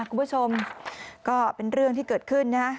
คุณผู้ชมก็เป็นเรื่องที่เกิดขึ้นนะ